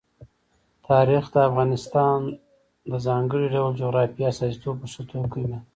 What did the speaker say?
تاریخ د افغانستان د ځانګړي ډول جغرافیې استازیتوب په ښه توګه کوي.